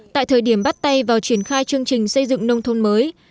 tại thời điểm bắt tay vào triển khai chương trình xây dựng nông thôn mới